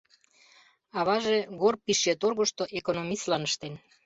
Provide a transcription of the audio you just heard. Аваже горпищеторгышто экономистлан ыштен.